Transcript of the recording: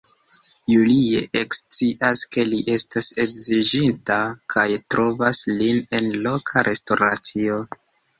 Julie ekscias ke li estas edziĝinta kaj trovas lin en loka restoracio.